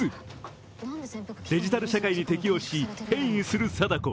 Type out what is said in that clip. デジタル社会に適応し、変異する貞子。